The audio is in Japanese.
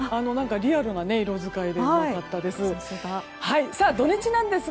リアルな色遣いで良かったです。